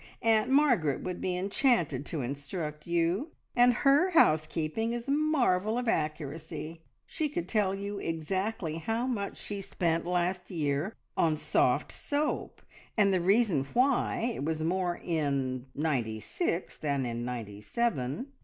Aunt Margaret would be enchanted to instruct you, and her housekeeping is a marvel of accuracy. She could tell you exactly how much she spent last year on soft soap, and the reason why it was more in ninety six than in ninety seven.